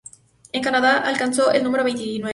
En Canadá alcanzó el número veinte y nueve.